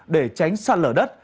để tránh sạt lở đất